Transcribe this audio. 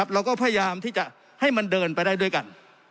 เราก็พยายามที่จะให้มันเดินไปได้ด้วยกัน